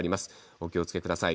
お気をつけください。